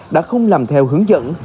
đã không làm theo hướng dẫn